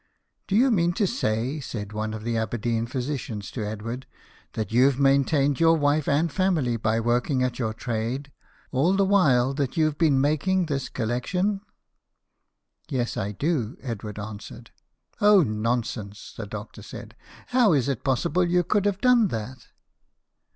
" Do you mean to say," said one of the Aber THOMAS EDWARD, SHOEMAKER. 179 deen physicians to Edward, " that you've main tained your wife and family by working at your trade, all the while that you've been making this collection ?"" Yes, I do," Edward answered. " Oh, nonsense !" the doctor said. " How is it possible you could have done that